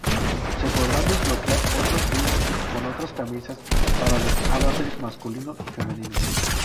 Se podrán desbloquear otros primos con otras camisas para los avatares masculinos y femeninos.